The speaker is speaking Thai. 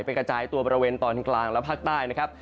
ไปกระจายตัวประเวนนออเตอร์นกลางแล้วกลางภาคใต้